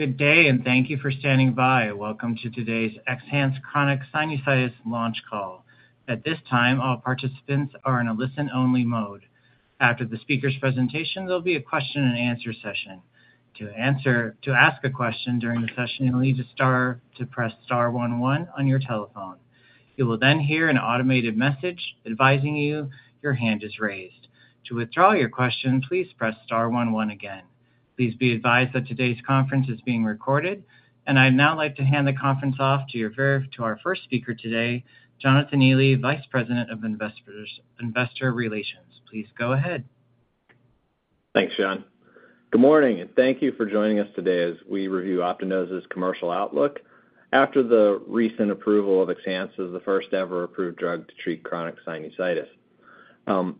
Good day, and thank you for standing by. Welcome to today's XHANCE Chronic Sinusitis Launch Call. At this time, all participants are in a listen-only mode. After the speaker's presentation, there'll be a question-and-answer session. To ask a question during the session, you'll need to press star one one on your telephone. You will then hear an automated message advising you your hand is raised. To withdraw your question, please press star one one again. Please be advised that today's conference is being recorded, and I'd now like to hand the conference off to our first speaker today, Jonathan Neely, Vice President of Investor Relations. Please go ahead. Thanks, Sean. Good morning, and thank you for joining us today as we review Optinose's commercial outlook after the recent approval of XHANCE as the first-ever approved drug to treat chronic sinusitis. And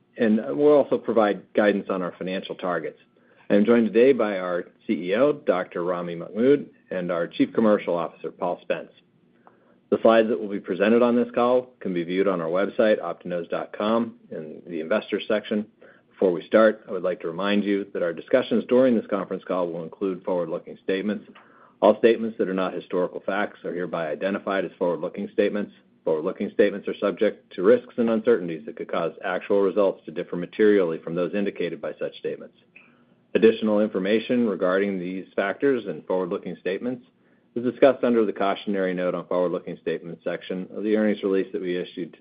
we'll also provide guidance on our financial targets. I'm joined today by our CEO, Dr. Ramy Mahmoud, and our Chief Commercial Officer, Paul Spence. The slides that will be presented on this call can be viewed on our website, Optinose.com, in the Investors section. Before we start, I would like to remind you that our discussions during this conference call will include forward-looking statements. All statements that are not historical facts are hereby identified as forward-looking statements. Forward-looking statements are subject to risks and uncertainties that could cause actual results to differ materially from those indicated by such statements. Additional information regarding these factors and forward-looking statements is discussed under the Cautionary Note on Forward-Looking Statement section of the earnings release that we issued,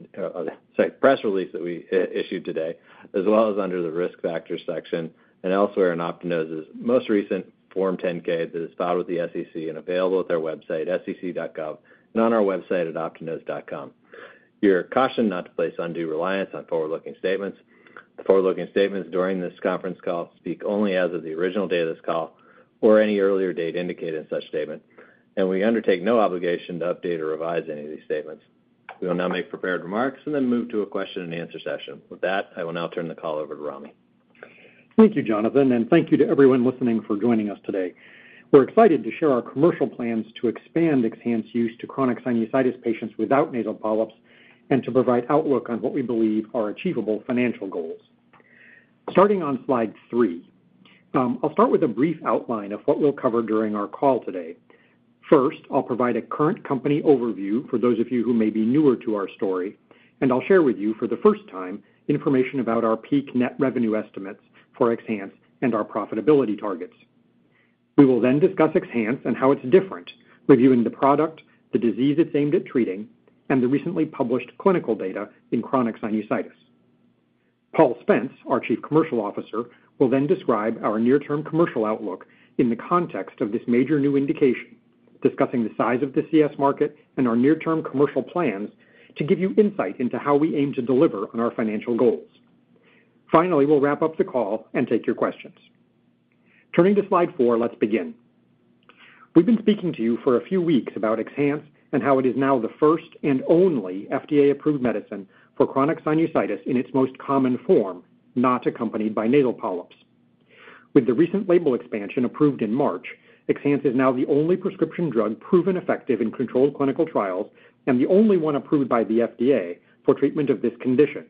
press release that we issued today, as well as under the Risk Factors section and elsewhere in Optinose's most recent Form 10-K that is filed with the SEC and available at their website, sec.gov, and on our website at Optinose.com. You're cautioned not to place undue reliance on forward-looking statements. The forward-looking statements during this conference call speak only as of the original date of this call or any earlier date indicated in such statement, and we undertake no obligation to update or revise any of these statements. We will now make prepared remarks and then move to a question-and-answer session. With that, I will now turn the call over to Ramy. Thank you, Jonathan, and thank you to everyone listening for joining us today. We're excited to share our commercial plans to expand XHANCE use to chronic sinusitis patients without nasal polyps and to provide outlook on what we believe are achievable financial goals. Starting on slide 3. I'll start with a brief outline of what we'll cover during our call today. First, I'll provide a current company overview for those of you who may be newer to our story, and I'll share with you, for the first time, information about our peak net revenue estimates for XHANCE and our profitability targets. We will then discuss XHANCE and how it's different, reviewing the product, the disease it's aimed at treating, and the recently published clinical data in chronic sinusitis. Paul Spence, our Chief Commercial Officer, will then describe our near-term commercial outlook in the context of this major new indication, discussing the size of the CS market and our near-term commercial plans to give you insight into how we aim to deliver on our financial goals. Finally, we'll wrap up the call and take your questions. Turning to slide 4, let's begin. We've been speaking to you for a few weeks about XHANCE and how it is now the first and only FDA-approved medicine for chronic sinusitis in its most common form, not accompanied by nasal polyps. With the recent label expansion approved in March, XHANCE is now the only prescription drug proven effective in controlled clinical trials and the only one approved by the FDA for treatment of this condition,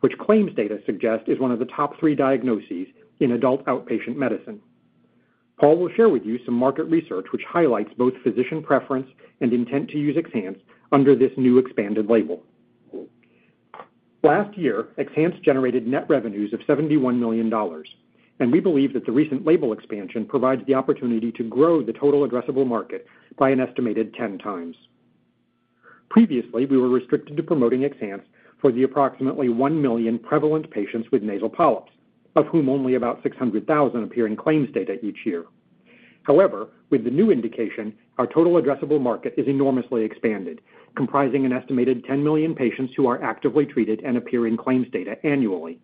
which claims data suggest is one of the top three diagnoses in adult outpatient medicine. Paul will share with you some market research, which highlights both physician preference and intent to use XHANCE under this new expanded label. Last year, XHANCE generated net revenues of $71 million, and we believe that the recent label expansion provides the opportunity to grow the total addressable market by an estimated 10 times. Previously, we were restricted to promoting XHANCE for the approximately 1 million prevalent patients with nasal polyps, of whom only about 600,000 appear in claims data each year. However, with the new indication, our total addressable market is enormously expanded, comprising an estimated 10 million patients who are actively treated and appear in claims data annually.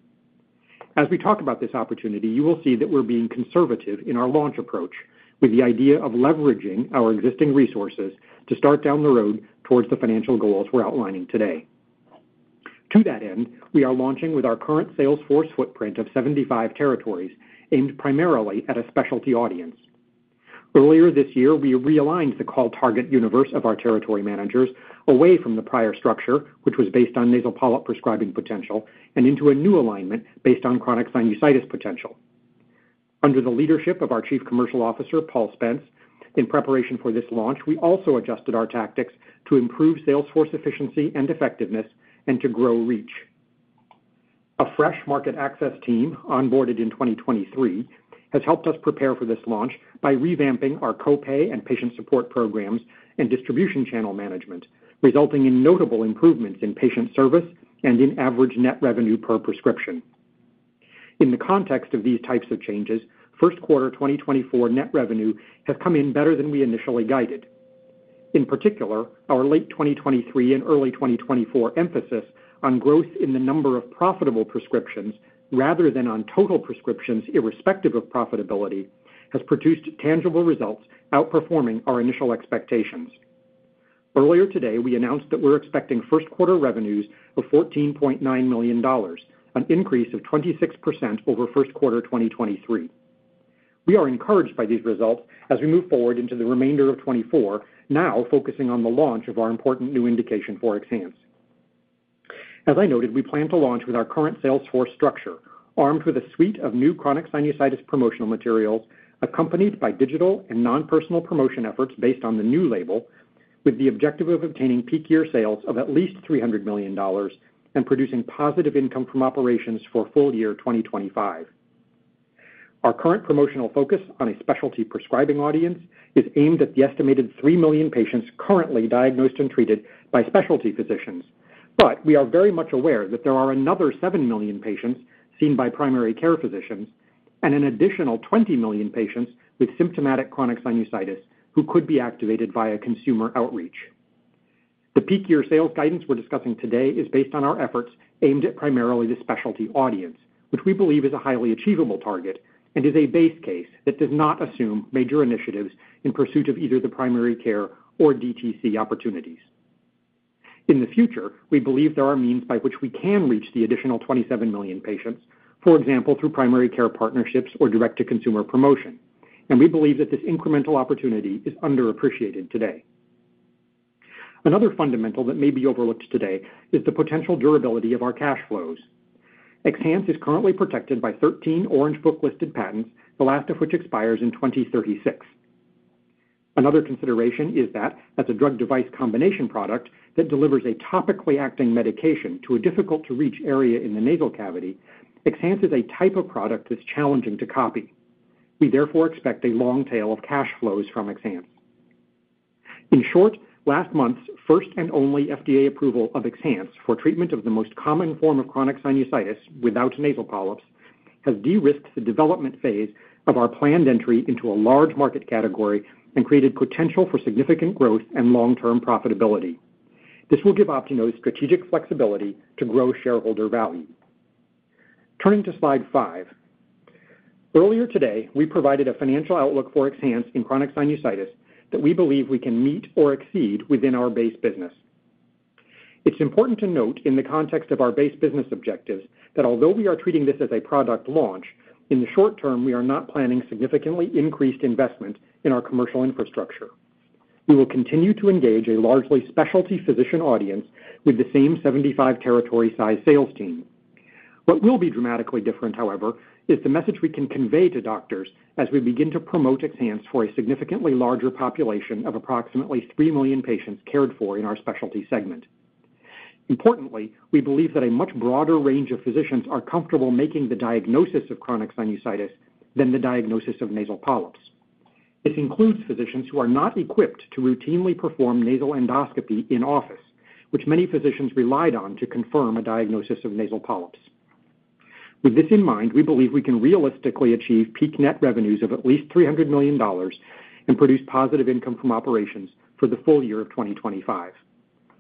As we talk about this opportunity, you will see that we're being conservative in our launch approach, with the idea of leveraging our existing resources to start down the road towards the financial goals we're outlining today. To that end, we are launching with our current sales force footprint of 75 territories, aimed primarily at a specialty audience. Earlier this year, we realigned the call target universe of our territory managers away from the prior structure, which was based on nasal polyp prescribing potential, and into a new alignment based on chronic sinusitis potential. Under the leadership of our Chief Commercial Officer, Paul Spence, in preparation for this launch, we also adjusted our tactics to improve sales force efficiency and effectiveness and to grow reach. A fresh market access team, onboarded in 2023, has helped us prepare for this launch by revamping our co-pay and patient support programs and distribution channel management, resulting in notable improvements in patient service and in average net revenue per prescription. In the context of these types of changes, first quarter 2024 net revenue has come in better than we initially guided. In particular, our late 2023 and early 2024 emphasis on growth in the number of profitable prescriptions, rather than on total prescriptions, irrespective of profitability, has produced tangible results outperforming our initial expectations. Earlier today, we announced that we're expecting first quarter revenues of $14.9 million, an increase of 26% over first quarter 2023. We are encouraged by these results as we move forward into the remainder of 2024, now focusing on the launch of our important new indication for XHANCE.As I noted, we plan to launch with our current sales force structure, armed with a suite of new chronic sinusitis promotional materials, accompanied by digital and non-personal promotion efforts based on the new label, with the objective of obtaining peak year sales of at least $300 million and producing positive income from operations for full year 2025. Our current promotional focus on a specialty prescribing audience is aimed at the estimated 3 million patients currently diagnosed and treated by specialty physicians. But we are very much aware that there are another 7 million patients seen by primary care physicians and an additional 20 million patients with symptomatic chronic sinusitis who could be activated via consumer outreach. The peak year sales guidance we're discussing today is based on our efforts aimed at primarily the specialty audience, which we believe is a highly achievable target and is a base case that does not assume major initiatives in pursuit of either the primary care or DTC opportunities. In the future, we believe there are means by which we can reach the additional 27 million patients, for example, through primary care partnerships or direct-to-consumer promotion, and we believe that this incremental opportunity is underappreciated today. Another fundamental that may be overlooked today is the potential durability of our cash flows. XHANCE is currently protected by 13 Orange Book listed patents, the last of which expires in 2036. Another consideration is that as a drug device combination product that delivers a topically acting medication to a difficult-to-reach area in the nasal cavity, XHANCE is a type of product that's challenging to copy. We therefore expect a long tail of cash flows from XHANCE. In short, last month's first and only FDA approval of XHANCE for treatment of the most common form of chronic sinusitis without nasal polyps, has de-risked the development phase of our planned entry into a large market category and created potential for significant growth and long-term profitability. This will give Optinose strategic flexibility to grow shareholder value. Turning to slide 5. Earlier today, we provided a financial outlook for XHANCE in chronic sinusitis that we believe we can meet or exceed within our base business. It's important to note in the context of our base business objectives, that although we are treating this as a product launch, in the short-term, we are not planning significantly increased investment in our commercial infrastructure. We will continue to engage a largely specialty physician audience with the same 75 territory size sales team. What will be dramatically different, however, is the message we can convey to doctors as we begin to promote XHANCE for a significantly larger population of approximately 3 million patients cared for in our specialty segment. Importantly, we believe that a much broader range of physicians are comfortable making the diagnosis of chronic sinusitis than the diagnosis of nasal polyps. This includes physicians who are not equipped to routinely perform nasal endoscopy in office, which many physicians relied on to confirm a diagnosis of nasal polyps. With this in mind, we believe we can realistically achieve peak net revenues of at least $300 million and produce positive income from operations for the full year of 2025.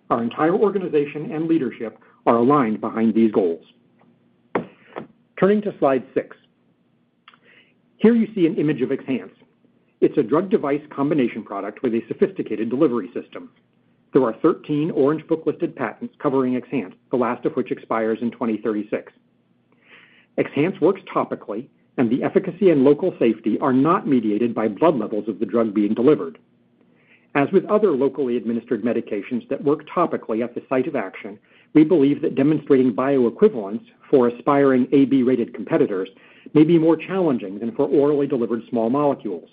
Our entire organization and leadership are aligned behind these goals. Turning to slide 6. Here you see an image of XHANCE. It's a drug device combination product with a sophisticated delivery system. There are 13 Orange Book listed patents covering XHANCE, the last of which expires in 2036. XHANCE works topically, and the efficacy and local safety are not mediated by blood levels of the drug being delivered. As with other locally administered medications that work topically at the site of action, we believe that demonstrating bioequivalence for aspiring AB-rated competitors may be more challenging than for orally delivered small molecules,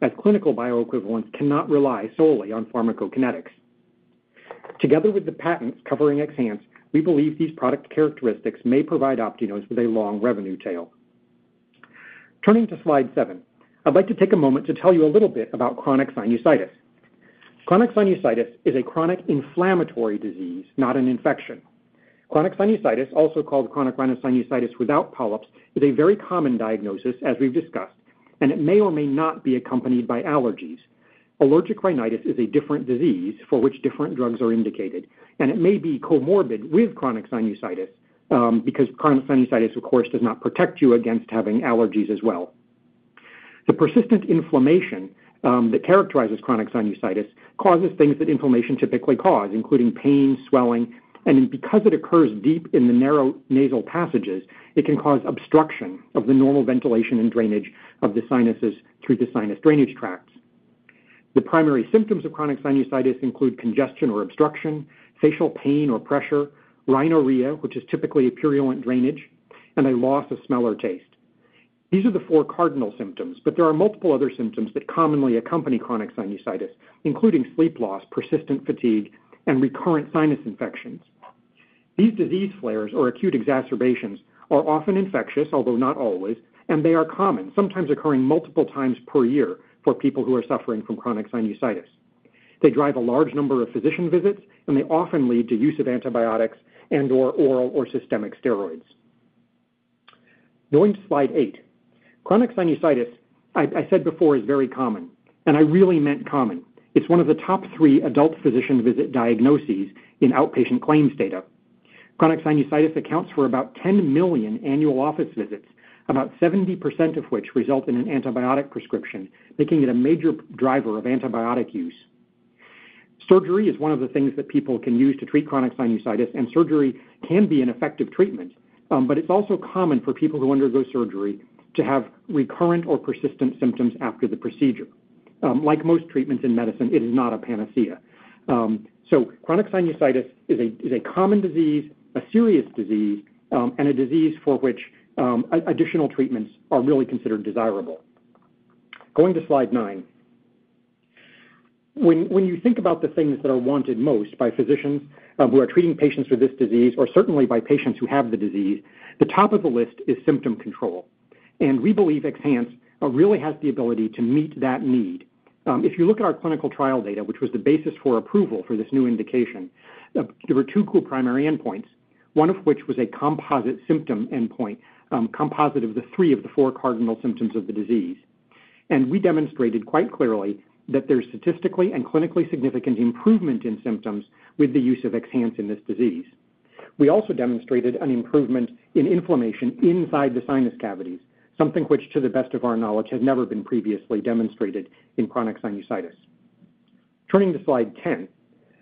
as clinical bioequivalence cannot rely solely on pharmacokinetics. Together with the patents covering XHANCE, we believe these product characteristics may provide Optinose with a long revenue tail. Turning to slide seven. I'd like to take a moment to tell you a little bit about chronic sinusitis. Chronic sinusitis is a chronic inflammatory disease, not an infection. Chronic sinusitis, also called chronic rhinosinusitis without polyps, is a very common diagnosis, as we've discussed, and it may or may not be accompanied by allergies. Allergic rhinitis is a different disease for which different drugs are indicated, and it may be comorbid with chronic sinusitis, because chronic sinusitis, of course, does not protect you against having allergies as well. The persistent inflammation, that characterizes chronic sinusitis causes things that inflammation typically cause, including pain, swelling, and because it occurs deep in the narrow nasal passages, it can cause obstruction of the normal ventilation and drainage of the sinuses through the sinus drainage tracts. The primary symptoms of chronic sinusitis include congestion or obstruction, facial pain or pressure, rhinorrhea, which is typically a purulent drainage, and a loss of smell or taste. These are the four cardinal symptoms, but there are multiple other symptoms that commonly accompany chronic sinusitis, including sleep loss, persistent fatigue, and recurrent sinus infections. These disease flares or acute exacerbations are often infectious, although not always, and they are common, sometimes occurring multiple times per year for people who are suffering from chronic sinusitis. They drive a large number of physician visits, and they often lead to use of antibiotics and or oral or systemic steroids. Going to slide 8. Chronic sinusitis, I said before, is very common, and I really meant common. It's one of the top three adult physician visit diagnoses in outpatient claims data. Chronic sinusitis accounts for about 10 million annual office visits, about 70% of which result in an antibiotic prescription, making it a major driver of antibiotic use. Surgery is one of the things that people can use to treat chronic sinusitis, and surgery can be an effective treatment, but it's also common for people who undergo surgery to have recurrent or persistent symptoms after the procedure. Like most treatments in medicine, it is not a panacea. So chronic sinusitis is a common disease, a serious disease, and a disease for which additional treatments are really considered desirable. Going to slide 9. When you think about the things that are wanted most by physicians who are treating patients with this disease, or certainly by patients who have the disease, the top of the list is symptom control, and we believe XHANCE really has the ability to meet that need. If you look at our clinical trial data, which was the basis for approval for this new indication, there were two co-primary endpoints, one of which was a composite symptom endpoint, composite of the three of the four cardinal symptoms of the disease. And we demonstrated quite clearly that there's statistically and clinically significant improvement in symptoms with the use of XHANCE in this disease. We also demonstrated an improvement in inflammation inside the sinus cavities, something which, to the best of our knowledge, had never been previously demonstrated in chronic sinusitis. Turning to slide 10.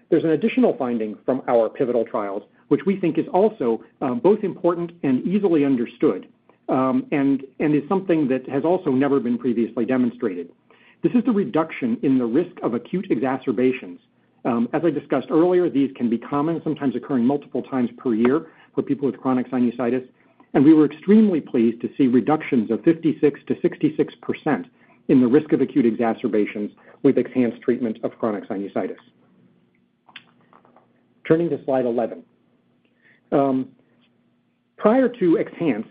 There's an additional finding from our pivotal trials, which we think is also both important and easily understood, and is something that has also never been previously demonstrated. This is the reduction in the risk of acute exacerbations. As I discussed earlier, these can be common, sometimes occurring multiple times per year for people with chronic sinusitis, and we were extremely pleased to see reductions of 56%-66% in the risk of acute exacerbations with XHANCE treatment of chronic sinusitis. Turning to slide 11. Prior to XHANCE,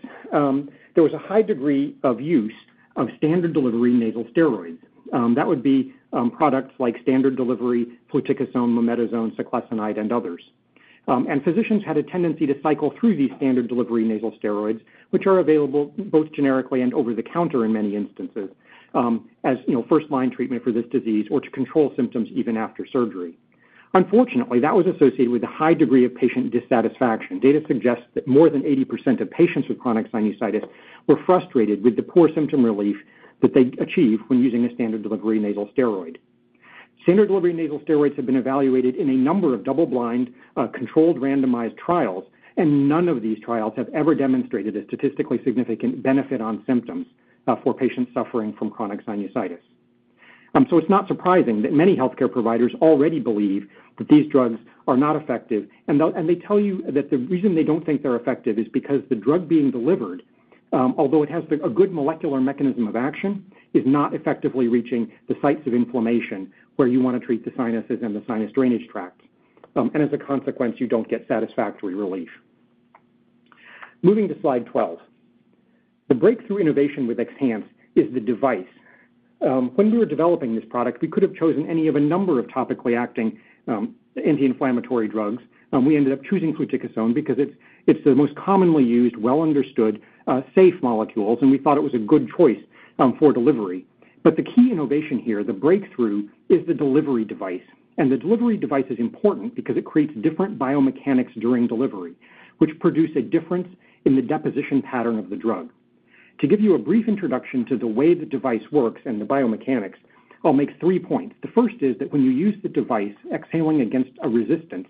there was a high degree of use of standard delivery nasal steroids. That would be products like standard delivery, fluticasone, mometasone, ciclesonide, and others. Physicians had a tendency to cycle through these standard delivery nasal steroids, which are available both generically and over the counter in many instances, as you know, first-line treatment for this disease or to control symptoms even after surgery. Unfortunately, that was associated with a high degree of patient dissatisfaction. Data suggests that more than 80% of patients with chronic sinusitis were frustrated with the poor symptom relief that they achieve when using a standard delivery nasal steroid. Standard delivery nasal steroids have been evaluated in a number of double-blind, controlled randomized trials, and none of these trials have ever demonstrated a statistically significant benefit on symptoms for patients suffering from chronic sinusitis. So it's not surprising that many healthcare providers already believe that these drugs are not effective, and they'll-- and they tell you that the reason they don't think they're effective is because the drug being delivered, although it has a, a good molecular mechanism of action, is not effectively reaching the sites of inflammation where you want to treat the sinuses and the sinus drainage tract. And as a consequence, you don't get satisfactory relief. Moving to slide 12. The breakthrough innovation with XHANCE is the device. When we were developing this product, we could have chosen any of a number of topically acting, anti-inflammatory drugs. We ended up choosing fluticasone because it's, it's the most commonly used, well understood, safe molecules, and we thought it was a good choice, for delivery. The key innovation here, the breakthrough, is the delivery device. The delivery device is important because it creates different biomechanics during delivery, which produce a difference in the deposition pattern of the drug. To give you a brief introduction to the way the device works and the biomechanics, I'll make three points. The first is that when you use the device, exhaling against a resistance,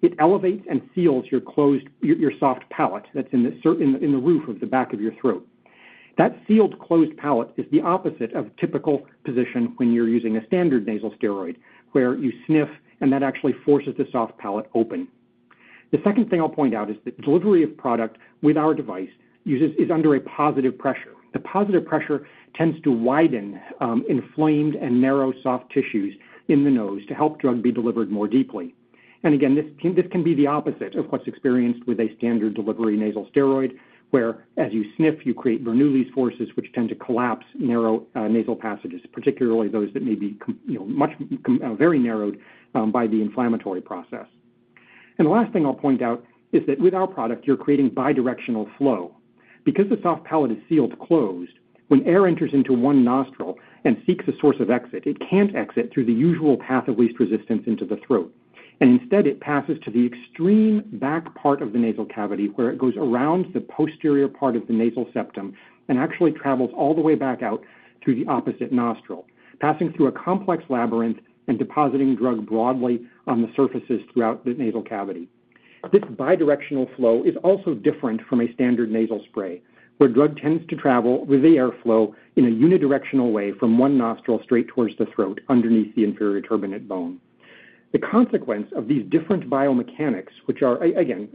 it elevates and seals your soft palate that's in the roof of the back of your throat. That sealed closed palate is the opposite of typical position when you're using a standard nasal steroid, where you sniff, and that actually forces the soft palate open. The second thing I'll point out is that delivery of product with our device is under a positive pressure. The positive pressure tends to widen inflamed and narrow soft tissues in the nose to help drug be delivered more deeply. Again, this can be the opposite of what's experienced with a standard delivery nasal steroid, where as you sniff, you create Bernoulli's forces, which tend to collapse narrow nasal passages, particularly those that may be. You know, much very narrowed by the inflammatory process. The last thing I'll point out is that with our product, you're creating bidirectional flow. Because the soft palate is sealed closed, when air enters into one nostril and seeks a source of exit, it can't exit through the usual path of least resistance into the throat. Instead, it passes to the extreme back part of the nasal cavity, where it goes around the posterior part of the nasal septum and actually travels all the way back out through the opposite nostril, passing through a complex labyrinth and depositing drug broadly on the surfaces throughout the nasal cavity. This bidirectional flow is also different from a standard nasal spray, where drug tends to travel with the airflow in a unidirectional way from one nostril straight towards the throat underneath the inferior turbinate bone. The consequence of these different biomechanics, which are again,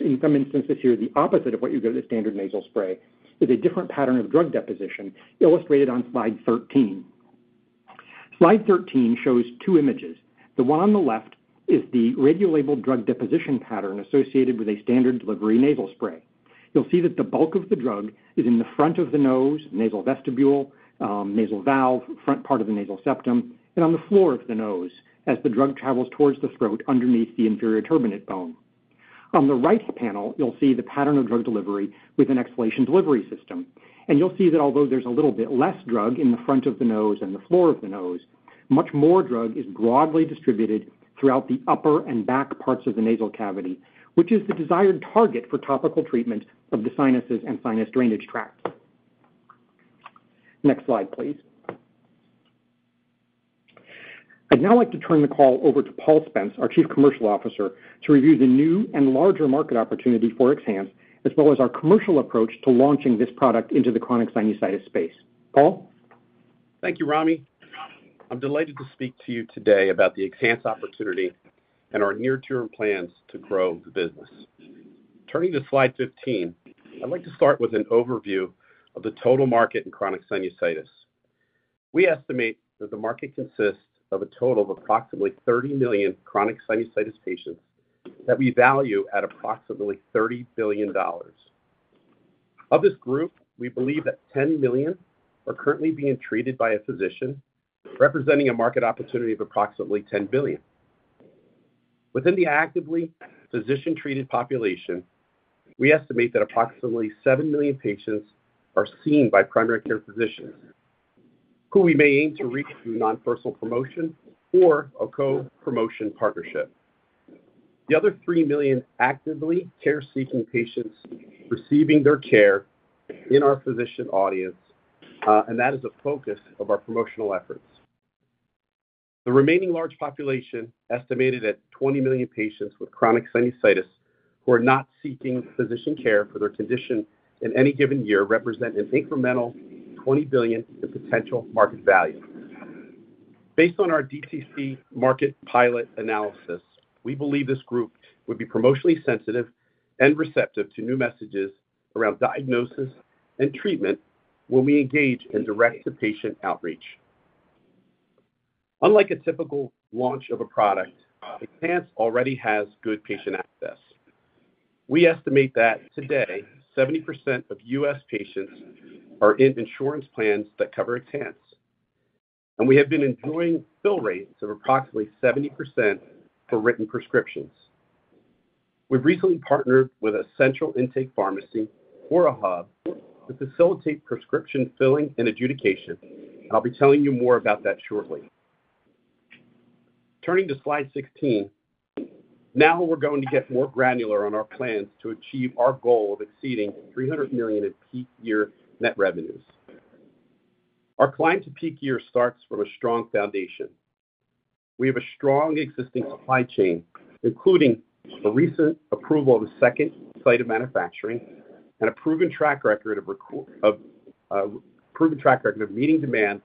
in some instances here, the opposite of what you get with a standard nasal spray, is a different pattern of drug deposition illustrated on slide 13. Slide 13 shows two images. The one on the left is the radiolabeled drug deposition pattern associated with a standard delivery nasal spray. You'll see that the bulk of the drug is in the front of the nose, nasal vestibule, nasal valve, front part of the nasal septum, and on the floor of the nose as the drug travels towards the throat underneath the inferior turbinate bone. On the right panel, you'll see the pattern of drug delivery with an exhalation delivery system. You'll see that although there's a little bit less drug in the front of the nose and the floor of the nose, much more drug is broadly distributed throughout the upper and back parts of the nasal cavity, which is the desired target for topical treatment of the sinuses and sinus drainage tracts. Next slide, please. I'd now like to turn the call over to Paul Spence, our Chief Commercial Officer, to review the new and larger market opportunity for XHANCE, as well as our commercial approach to launching this product into the chronic sinusitis space. Paul? Thank you, Ramy. I'm delighted to speak to you today about the XHANCE opportunity and our near-term plans to grow the business. Turning to slide 15, I'd like to start with an overview of the total market in chronic sinusitis. We estimate that the market consists of a total of approximately 30 million chronic sinusitis patients that we value at approximately $30 billion. Of this group, we believe that 10 million are currently being treated by a physician, representing a market opportunity of approximately $10 billion. Within the actively physician-treated population, we estimate that approximately 7 million patients are seen by primary care physicians, who we may aim to reach through non-personal promotion or a co-promotion partnership. The other 3 million actively care-seeking patients receiving their care in our physician audience, and that is a focus of our promotional efforts. The remaining large population, estimated at 20 million patients with chronic sinusitis who are not seeking physician care for their condition in any given year, represent an incremental $20 billion in potential market value. Based on our DTC market pilot analysis, we believe this group would be promotionally sensitive and receptive to new messages around diagnosis and treatment when we engage in direct-to-patient outreach. Unlike a typical launch of a product, XHANCE already has good patient access. We estimate that today, 70% of U.S. patients are in insurance plans that cover XHANCE, and we have been enjoying fill rates of approximately 70% for written prescriptions. We've recently partnered with a central intake pharmacy or a hub to facilitate prescription filling and adjudication. I'll be telling you more about that shortly. Turning to slide 16. Now we're going to get more granular on our plans to achieve our goal of exceeding $300 million in peak year net revenues. Our climb to peak year starts from a strong foundation. We have a strong existing supply chain, including the recent approval of a second site of manufacturing and a proven track record of meeting demand,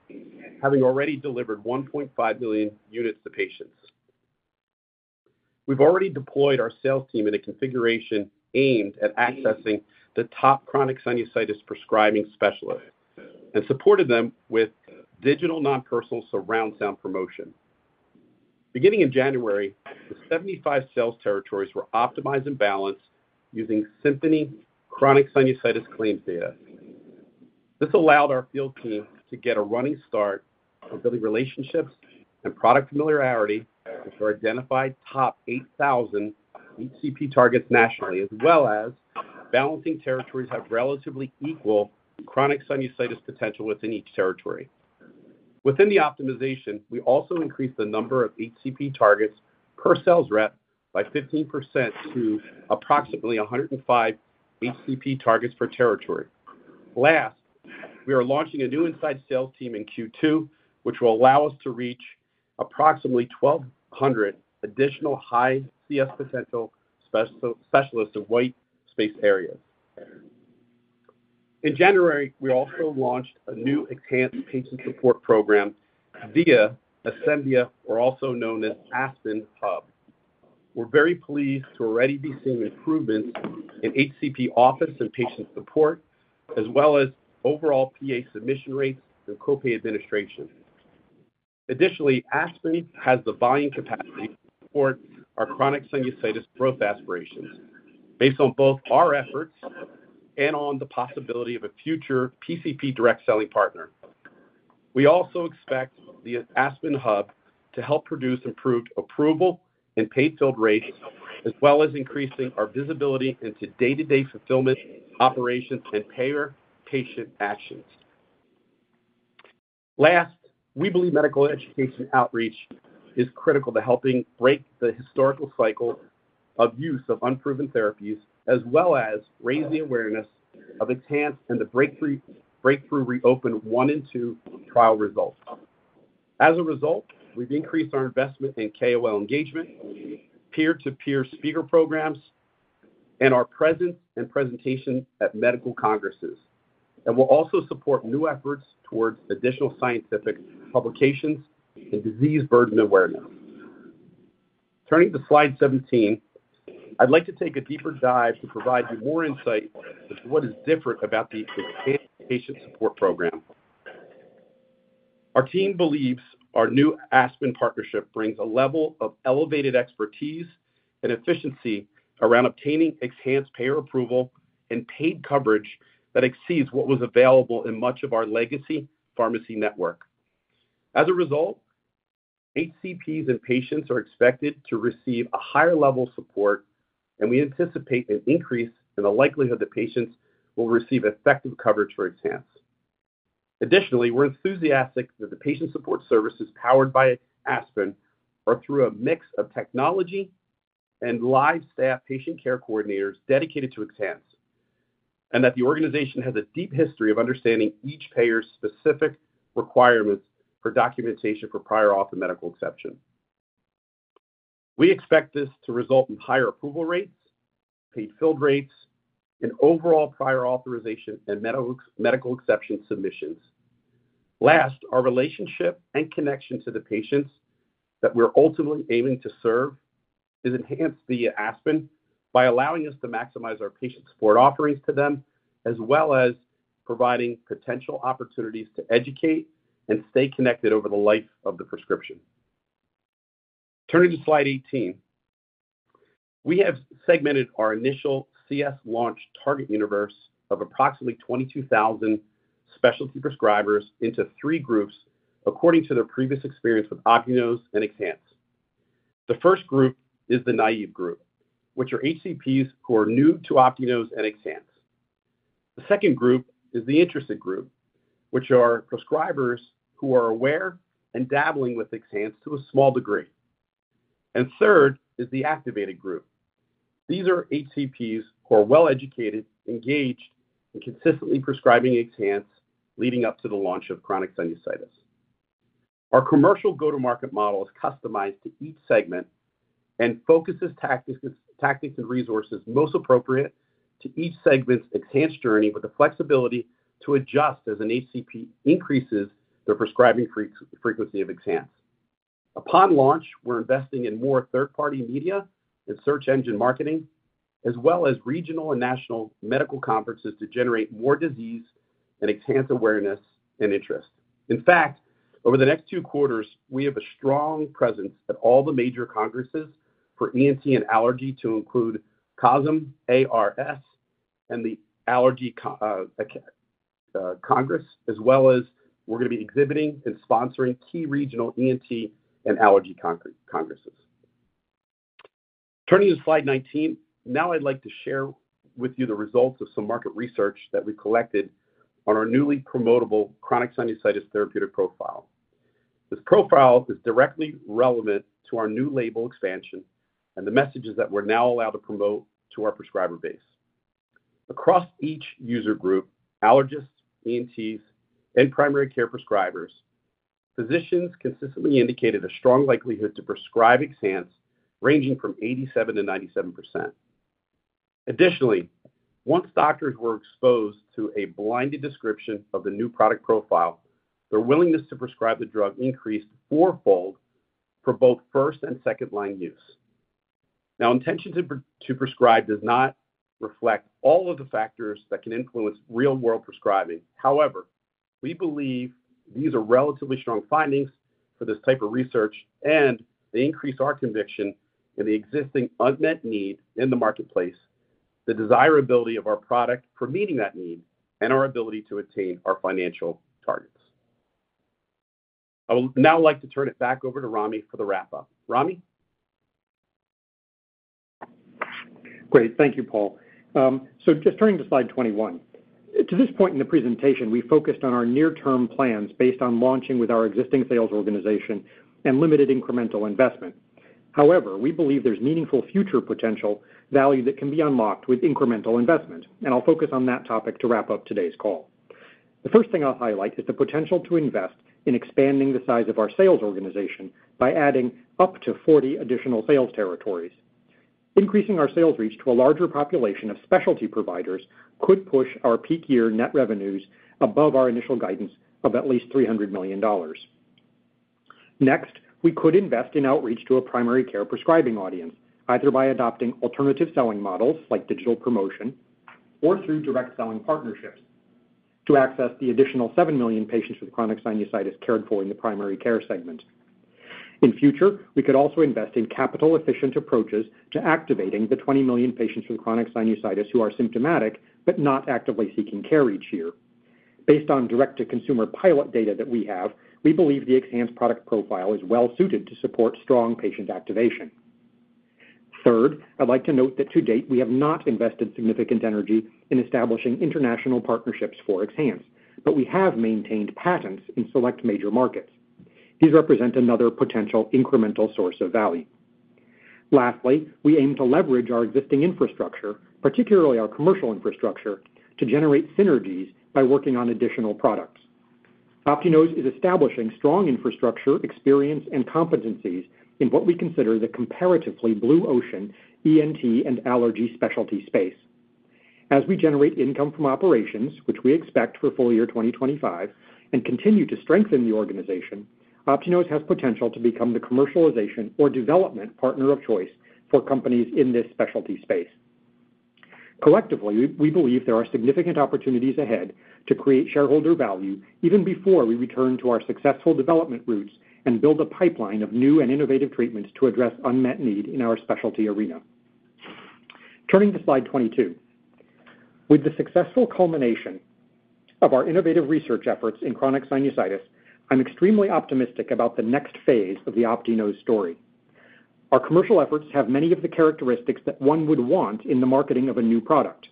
having already delivered 1.5 million units to patients. We've already deployed our sales team in a configuration aimed at accessing the top chronic sinusitis prescribing specialists and supported them with digital, non-personal, surround sound promotion. Beginning in January, the 75 sales territories were optimized and balanced using Symphony chronic sinusitis claims data. This allowed our field team to get a running start on building relationships and product familiarity with our identified top 8,000 HCP targets nationally, as well as balancing territories have relatively equal chronic sinusitis potential within each territory. Within the optimization, we also increased the number of HCP targets per sales rep by 15% to approximately 105 HCP targets per territory. Last, we are launching a new inside sales team in Q2, which will allow us to reach approximately 1,200 additional high CS potential specialists of white space areas. In January, we also launched a new XHANCE patient support program via Asembia, or also known as ASPN Hub. We're very pleased to already be seeing improvements in HCP office and patient support, as well as overall PA submission rates and copay administration. Additionally, ASPN has the buying capacity to support our chronic sinusitis growth aspirations, based on both our efforts and on the possibility of a future PCP direct selling partner. We also expect the ASPN Hub to help produce improved approval and paid fill rates, as well as increasing our visibility into day-to-day fulfillment operations and payer-patient actions. Last, we believe medical education outreach is critical to helping break the historical cycle of use of unproven therapies, as well as raise the awareness of XHANCE and the breakthrough ReOpen I and II trial results. As a result, we've increased our investment in KOL engagement, peer-to-peer speaker programs, and our presence and presentation at medical congresses, and will also support new efforts towards additional scientific publications and disease burden awareness. Turning to slide 17, I'd like to take a deeper dive to provide you more insight into what is different about the XHANCE patient support program. Our team believes our new ASPN partnership brings a level of elevated expertise and efficiency around obtaining XHANCE payer approval and paid coverage that exceeds what was available in much of our legacy pharmacy network. As a result, HCPs and patients are expected to receive a higher level of support, and we anticipate an increase in the likelihood that patients will receive effective coverage for XHANCE. Additionally, we're enthusiastic that the patient support services powered by ASPN are through a mix of technology and live staff patient care coordinators dedicated to XHANCE. and that the organization has a deep history of understanding each payer's specific requirements for documentation for prior auth and medical exception. We expect this to result in higher approval rates, paid fill rates, and overall prior authorization and medical, medical exception submissions. Last, our relationship and connection to the patients that we're ultimately aiming to serve is enhanced via ASPN by allowing us to maximize our patient support offerings to them, as well as providing potential opportunities to educate and stay connected over the life of the prescription. Turning to slide 18, we have segmented our initial CS launch target universe of approximately 22,000 specialty prescribers into three groups according to their previous experience with Optinose and XHANCE. The first group is the naive group, which are HCPs who are new to Optinose and XHANCE. The second group is the interested group, which are prescribers who are aware and dabbling with XHANCE to a small degree. And third is the activated group. These are HCPs who are well-educated, engaged, and consistently prescribing XHANCE leading up to the launch of chronic sinusitis. Our commercial go-to-market model is customized to each segment and focuses tactics, tactics, and resources most appropriate to each segment's XHANCE journey, with the flexibility to adjust as an HCP increases their prescribing frequency of XHANCE. Upon launch, we're investing in more third-party media and search engine marketing, as well as regional and national medical conferences to generate more disease and XHANCE awareness and interest. In fact, over the next two quarters, we have a strong presence at all the major congresses for ENT and allergy to include COSM, ARS, and the Allergy Congress, as well as we're going to be exhibiting and sponsoring key regional ENT and allergy congresses. Turning to slide 19. Now I'd like to share with you the results of some market research that we collected on our newly promotable chronic sinusitis therapeutic profile. This profile is directly relevant to our new label expansion and the messages that we're now allowed to promote to our prescriber base. Across each user group, allergists, ENTs, and primary care prescribers, physicians consistently indicated a strong likelihood to prescribe XHANCE, ranging from 87%-97%. Additionally, once doctors were exposed to a blinded description of the new product profile, their willingness to prescribe the drug increased fourfold for both first and second-line use. Now, intention to prescribe does not reflect all of the factors that can influence real-world prescribing. However, we believe these are relatively strong findings for this type of research, and they increase our conviction in the existing unmet need in the marketplace, the desirability of our product for meeting that need, and our ability to attain our financial targets. I would now like to turn it back over to Ramy for the wrap-up. Ramy? Great. Thank you, Paul. So just turning to slide 21. To this point in the presentation, we focused on our near-term plans based on launching with our existing sales organization and limited incremental investment. However, we believe there's meaningful future potential value that can be unlocked with incremental investment, and I'll focus on that topic to wrap up today's call. The first thing I'll highlight is the potential to invest in expanding the size of our sales organization by adding up to 40 additional sales territories. Increasing our sales reach to a larger population of specialty providers could push our peak year net revenues above our initial guidance of at least $300 million. Next, we could invest in outreach to a primary care prescribing audience, either by adopting alternative selling models like digital promotion or through direct selling partnerships, to access the additional 7 million patients with chronic sinusitis cared for in the primary care segment. In future, we could also invest in capital-efficient approaches to activating the 20 million patients with chronic sinusitis who are symptomatic but not actively seeking care each year. Based on direct-to-consumer pilot data that we have, we believe the XHANCE product profile is well suited to support strong patient activation. Third, I'd like to note that to date, we have not invested significant energy in establishing international partnerships for XHANCE, but we have maintained patents in select major markets. These represent another potential incremental source of value. Lastly, we aim to leverage our existing infrastructure, particularly our commercial infrastructure, to generate synergies by working on additional products. Optinose is establishing strong infrastructure, experience, and competencies in what we consider the comparatively blue ocean ENT and allergy specialty space. As we generate income from operations, which we expect for full year 2025, and continue to strengthen the organization, Optinose has potential to become the commercialization or development partner of choice for companies in this specialty space. Collectively, we believe there are significant opportunities ahead to create shareholder value even before we return to our successful development roots and build a pipeline of new and innovative treatments to address unmet need in our specialty arena. Turning to slide 22. With the successful culmination of our innovative research efforts in chronic sinusitis, I'm extremely optimistic about the next phase of the Optinose story. Our commercial efforts have many of the characteristics that one would want in the marketing of a new product.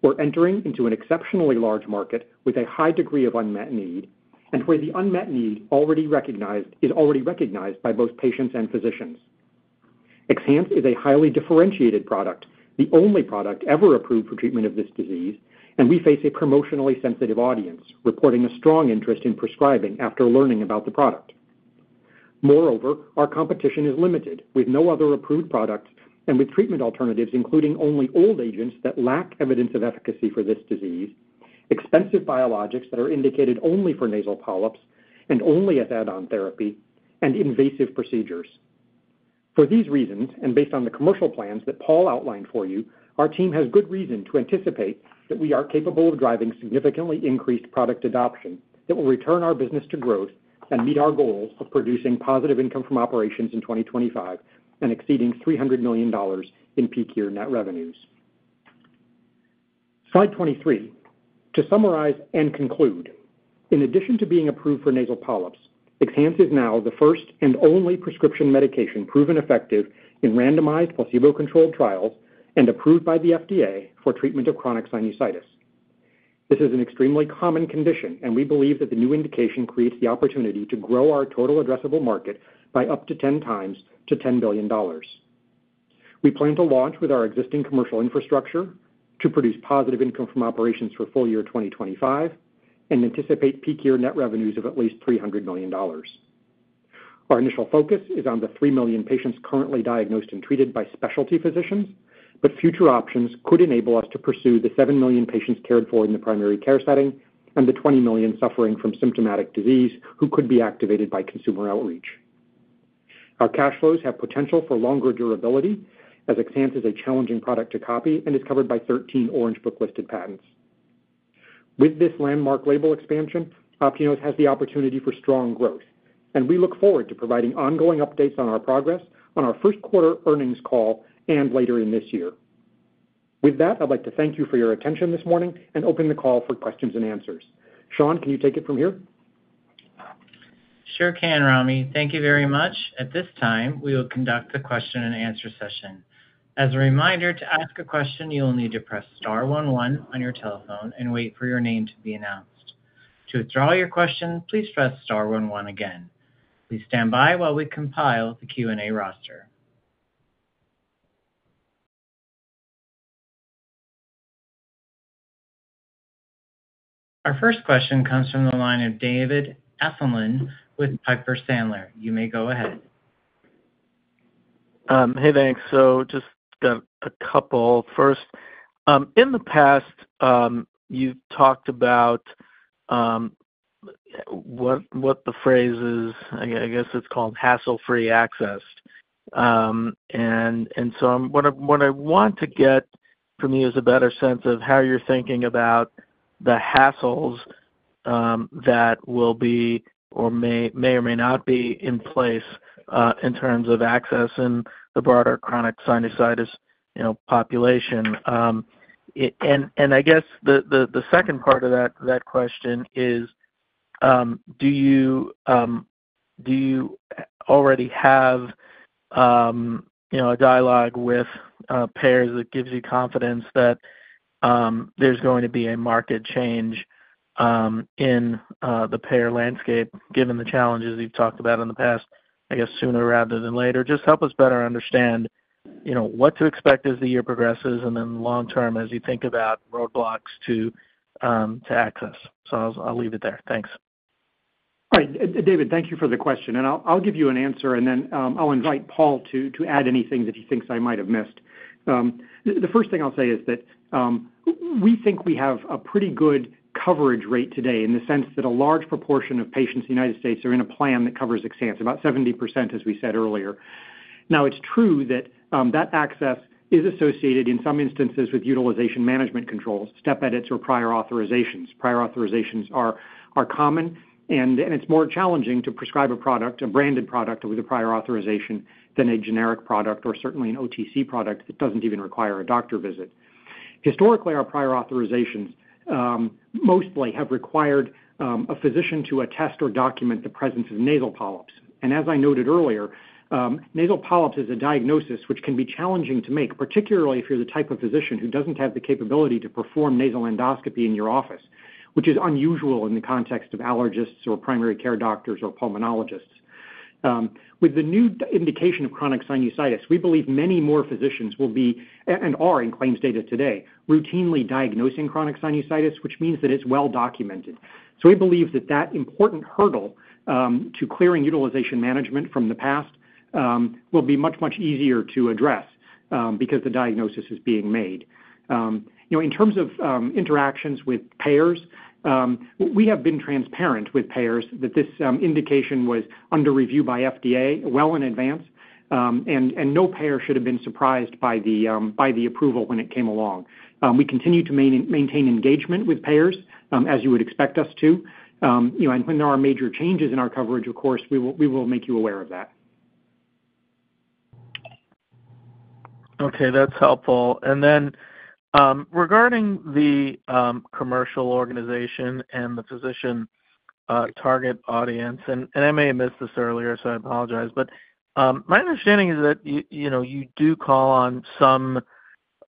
We're entering into an exceptionally large market with a high degree of unmet need and where the unmet need already recognized - is already recognized by both patients and physicians. XHANCE is a highly differentiated product, the only product ever approved for treatment of this disease, and we face a promotionally sensitive audience, reporting a strong interest in prescribing after learning about the product. Moreover, our competition is limited, with no other approved product and with treatment alternatives, including only old agents that lack evidence of efficacy for this disease, expensive biologics that are indicated only for nasal polyps and only as add-on therapy, and invasive procedures. For these reasons, and based on the commercial plans that Paul outlined for you, our team has good reason to anticipate that we are capable of driving significantly increased product adoption that will return our business to growth and meet our goals of producing positive income from operations in 2025 and exceeding $300 million in peak year net revenues. Slide 23. To summarize and conclude, in addition to being approved for nasal polyps, XHANCE is now the first and only prescription medication proven effective in randomized placebo-controlled trials and approved by the FDA for treatment of chronic sinusitis. This is an extremely common condition, and we believe that the new indication creates the opportunity to grow our total addressable market by up to 10x to $10 billion. We plan to launch with our existing commercial infrastructure to produce positive income from operations for full year 2025 and anticipate peak year net revenues of at least $300 million. Our initial focus is on the 3 million patients currently diagnosed and treated by specialty physicians, but future options could enable us to pursue the 7 million patients cared for in the primary care setting and the 20 million suffering from symptomatic disease who could be activated by consumer outreach. Our cash flows have potential for longer durability, as XHANCE is a challenging product to copy and is covered by 13 Orange Book listed patents. With this landmark label expansion, Optinose has the opportunity for strong growth, and we look forward to providing ongoing updates on our progress on our first quarter earnings call and later in this year. With that, I'd like to thank you for your attention this morning and open the call for questions and answers. Sean, can you take it from here? Sure can, Ramy. Thank you very much. At this time, we will conduct a question-and-answer session. As a reminder, to ask a question, you will need to press star one one on your telephone and wait for your name to be announced. To withdraw your question, please press star one one again. Please stand by while we compile the Q&A roster. Our first question comes from the line of David Amsellem with Piper Sandler. You may go ahead. Hey, thanks. So just a couple. First, in the past, you talked about what the phrase is, I guess it's called hassle-free access. And so I'm. What I want to get from you is a better sense of how you're thinking about the hassles that will be or may or may not be in place in terms of access in the broader chronic sinusitis, you know, population. And I guess the second part of that question is, do you already have, you know, a dialogue with payers that gives you confidence that there's going to be a market change in the payer landscape, given the challenges you've talked about in the past, I guess, sooner rather than later? Just help us better understand, you know, what to expect as the year progresses and then long-term as you think about roadblocks to, to access. So I'll, I'll leave it there. Thanks. All right. David, thank you for the question, and I'll give you an answer, and then, I'll invite Paul to add anything that he thinks I might have missed. The first thing I'll say is that, we think we have a pretty good coverage rate today in the sense that a large proportion of patients in the United States are in a plan that covers XHANCE, about 70%, as we said earlier. Now, it's true that, that access is associated, in some instances, with utilization management controls, step edits or prior authorizations. Prior authorizations are common, and it's more challenging to prescribe a product, a branded product with a prior authorization than a generic product or certainly an OTC product that doesn't even require a doctor visit. Historically, our prior authorizations mostly have required a physician to attest or document the presence of nasal polyps. And as I noted earlier, nasal polyps is a diagnosis which can be challenging to make, particularly if you're the type of physician who doesn't have the capability to perform nasal endoscopy in your office, which is unusual in the context of allergists or primary care doctors or pulmonologists. With the new indication of chronic sinusitis, we believe many more physicians will be and are, in claims data today, routinely diagnosing chronic sinusitis, which means that it's well documented. So we believe that that important hurdle to clearing utilization management from the past will be much, much easier to address because the diagnosis is being made. You know, in terms of interactions with payers, we have been transparent with payers that this indication was under review by FDA well in advance, and no payer should have been surprised by the approval when it came along. We continue to maintain engagement with payers, as you would expect us to. You know, and when there are major changes in our coverage, of course, we will make you aware of that. Okay, that's helpful. And then, regarding the commercial organization and the physician target audience, and I may have missed this earlier, so I apologize. But my understanding is that you know, you do call on some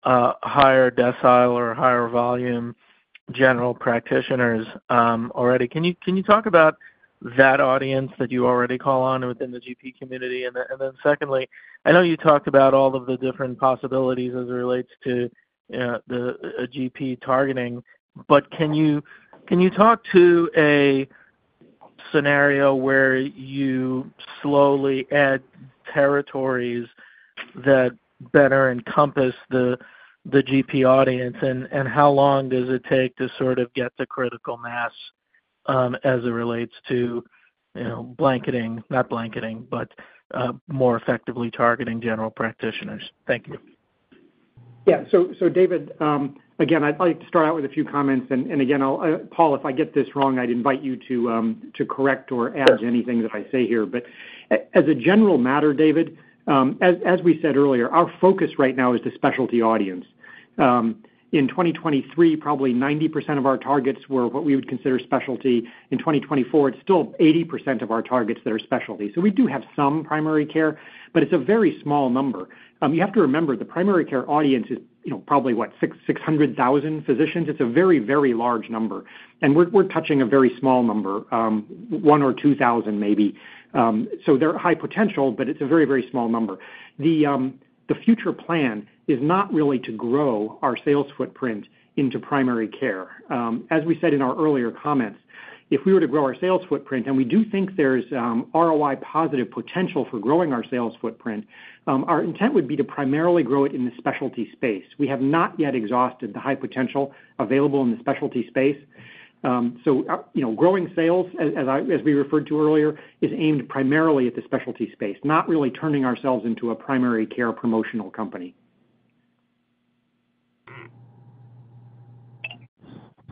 higher decile or higher volume general practitioners already. Can you talk about that audience that you already call on within the GP community? And then secondly, I know you talked about all of the different possibilities as it relates to a GP targeting, but can you talk to a scenario where you slowly add territories that better encompass the GP audience? And how long does it take to sort of get the critical mass as it relates to you know, blanketing—not blanketing, but more effectively targeting general practitioners? Thank you. Yeah. So, David, again, I'd like to start out with a few comments, and again, I'll, Paul, if I get this wrong, I'd invite you to to correct or add to anything that I say here. But as a general matter, David, as we said earlier, our focus right now is the specialty audience. In 2023, probably 90% of our targets were what we would consider specialty. In 2024, it's still 80% of our targets that are specialty. So we do have some primary care, but it's a very small number. You have to remember, the primary care audience is, you know, probably what? 600,000 physicians. It's a very, very large number, and we're touching a very small number, 1,000 or 2,000 maybe. So they're high potential, but it's a very, very small number. The future plan is not really to grow our sales footprint into primary care. As we said in our earlier comments, if we were to grow our sales footprint, and we do think there's ROI positive potential for growing our sales footprint, our intent would be to primarily grow it in the specialty space. We have not yet exhausted the high potential available in the specialty space. You know, growing sales, as we referred to earlier, is aimed primarily at the specialty space, not really turning ourselves into a primary care promotional company.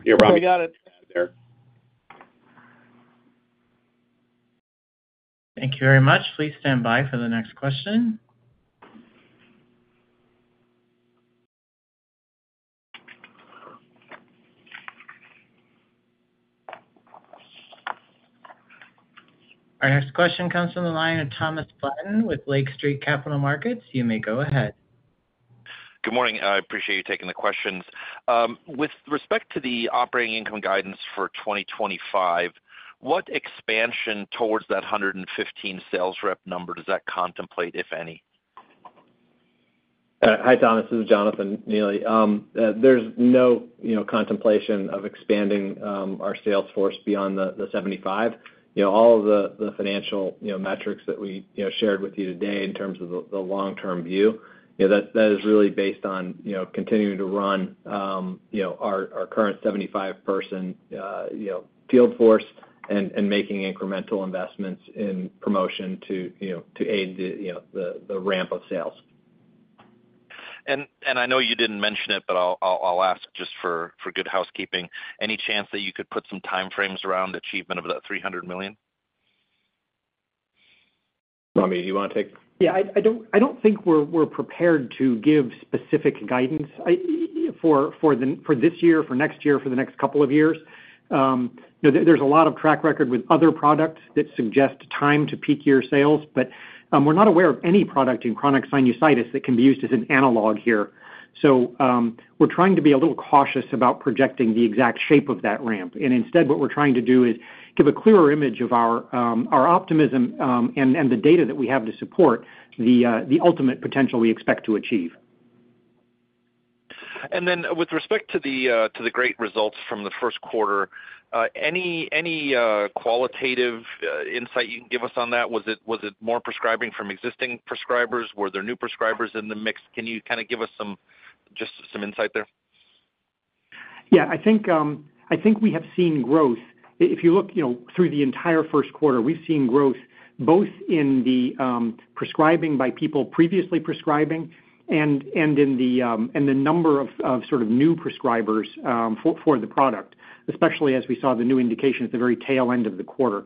Yeah, Ramy, Thank you very much. Please stand by for the next question. Our next question comes from the line of Thomas Flaten with Lake Street Capital Markets. You may go ahead. Good morning. I appreciate you taking the questions. With respect to the operating income guidance for 2025, what expansion towards that 115 sales rep number does that contemplate, if any? Hi, Thomas, this is Jonathan Neely. There's no, you know, contemplation of expanding our sales force beyond the 75. You know, all of the financial, you know, metrics that we, you know, shared with you today in terms of the long-term view, you know, that is really based on, you know, continuing to run you know, our current 75-person field force and making incremental investments in promotion to, you know, to aid the, you know, the ramp of sales. I know you didn't mention it, but I'll ask just for good housekeeping. Any chance that you could put some timeframes around achievement of that $300 million? Ramy, do you wanna take? Yeah, I don't think we're prepared to give specific guidance for this year, for next year, for the next couple of years. You know, there's a lot of track record with other products that suggest time to peak year sales, but we're not aware of any product in chronic sinusitis that can be used as an analog here. So, we're trying to be a little cautious about projecting the exact shape of that ramp. And instead, what we're trying to do is give a clearer image of our optimism and the data that we have to support the ultimate potential we expect to achieve. With respect to the great results from the first quarter, any qualitative insight you can give us on that? Was it more prescribing from existing prescribers? Were there new prescribers in the mix? Can you kinda give us some, just some insight there? Yeah. I think, I think we have seen growth. If you look, you know, through the entire first quarter, we've seen growth both in the prescribing by people previously prescribing and, and in the in the number of, of sort of new prescribers, for, for the product, especially as we saw the new indications at the very tail end of the quarter.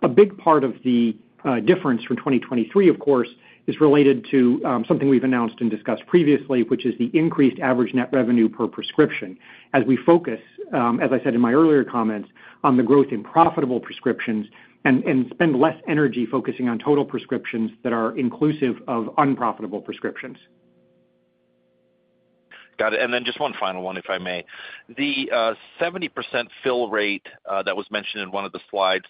A big part of the difference from 2023, of course, is related to something we've announced and discussed previously, which is the increased average net revenue per prescription, as we focus, as I said in my earlier comments, on the growth in profitable prescriptions and, and spend less energy focusing on total prescriptions that are inclusive of unprofitable prescriptions. Got it. And then just one final one, if I may. The 70% fill rate that was mentioned in one of the slides,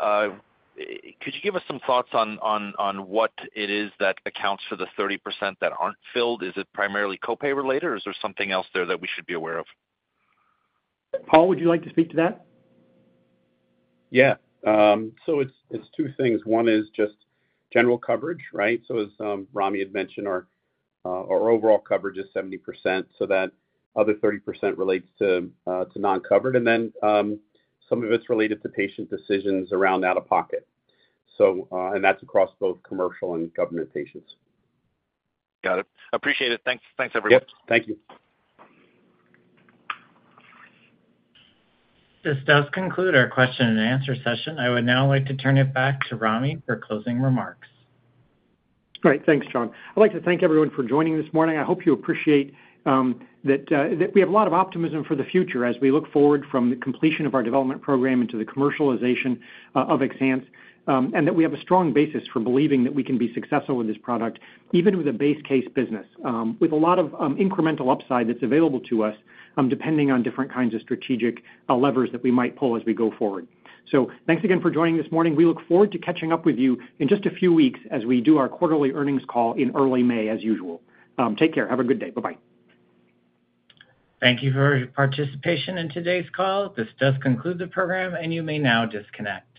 could you give us some thoughts on what it is that accounts for the 30% that aren't filled? Is it primarily copay related, or is there something else there that we should be aware of? Paul, would you like to speak to that? Yeah. So it's, it's two things. One is just general coverage, right? So as, Ramy had mentioned, our, our overall coverage is 70%, so that other 30% relates to, to non-covered. And then, some of it's related to patient decisions around out-of-pocket. So, and that's across both commercial and government patients. Got it. Appreciate it. Thanks, thanks, everyone. Yep, thank you. This does conclude our question and answer session. I would now like to turn it back to Ramy for closing remarks. Great. Thanks, Sean. I'd like to thank everyone for joining this morning. I hope you appreciate that we have a lot of optimism for the future as we look forward from the completion of our development program into the commercialization of XHANCE, and that we have a strong basis for believing that we can be successful with this product, even with a base case business with a lot of incremental upside that's available to us depending on different kinds of strategic levers that we might pull as we go forward. So thanks again for joining this morning. We look forward to catching up with you in just a few weeks as we do our quarterly earnings call in early May as usual. Take care. Have a good day. Bye-bye. Thank you for your participation in today's call. This does conclude the program, and you may now disconnect.